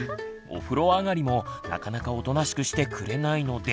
お風呂上がりもなかなかおとなしくしてくれないので。